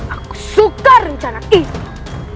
aku suka rencana itu